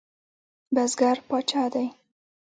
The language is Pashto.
بزګر پاچا دی؟